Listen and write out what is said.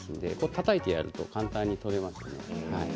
たたいてやると簡単に取れますね。